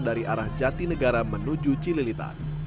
dari arah jati negara menuju cililitan